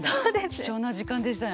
貴重な時間でしたね。